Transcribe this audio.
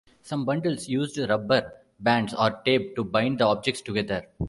Some bundles used rubber bands or tape to bind the objects together.